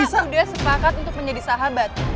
kita udah sepakat untuk menjadi sahabat